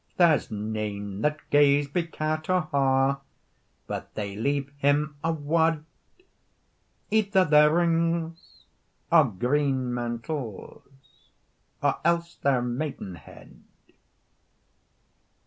There's nane that gaes by Carterhaugh But they leave him a wad, Either their rings, or green mantles, Or else their maidenhead.